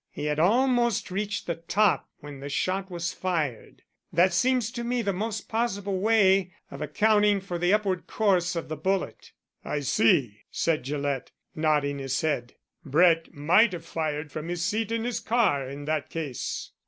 He had almost reached the top when the shot was fired. That seems to me the most possible way of accounting for the upward course of the bullet." "I see," said Gillett, nodding his head. "Brett might have fired from his seat in his car, in that case."